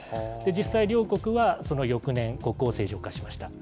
実際、両国はその翌年、国交を正常化しました。